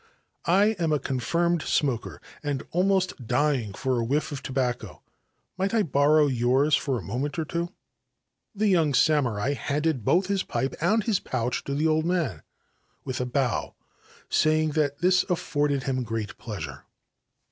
I am a confirmed smoker, and almost dy for a whiff of tobacco. Might I borrow yours fo moment or two ?' The young samurai handed both his pipe and pouch to the old man with a bow, saying that this affon him great pleasure.